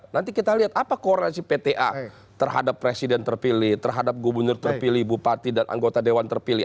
nanti kita lihat apa korelasi pta terhadap presiden terpilih terhadap gubernur terpilih bupati dan anggota dewan terpilih